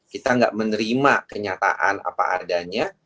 kita nggak menerima kenyataan apa adanya